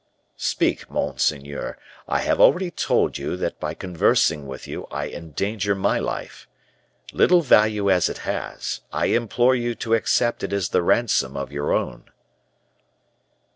"Speak, monseigneur. I have already told you that by conversing with you I endanger my life. Little value as it has, I implore you to accept it as the ransom of your own."